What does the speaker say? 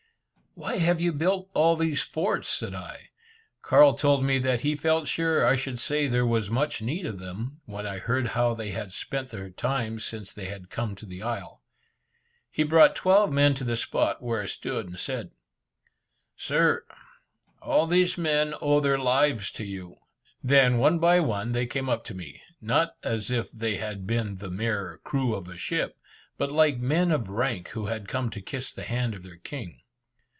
"Why have you built all these forts?" said I. Carl told me that he felt sure I should say there was much need of them, when I heard how they had spent their time since they had come to the isle. He brought twelve men to the spot where I stood, and said, "Sir, all these men owe their lives to you." Then, one by one, they came up to me, not as if they had been the mere crew of a ship, but like men of rank who had come to kiss the hand of their king.